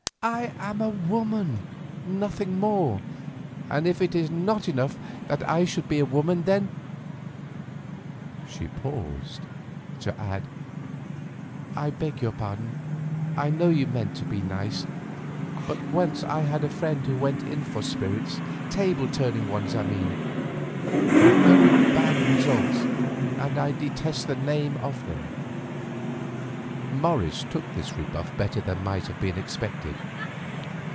I am a woman, nothing more, and if it is not enough that I should be a woman, then——" she paused, to add, "I beg your pardon, I know you meant to be nice, but once I had a friend who went in for spirits—table turning ones I mean—with very bad results, and I detest the name of them." Morris took this rebuff better than might have been expected.